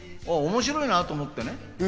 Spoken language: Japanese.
面白いなと思ってね。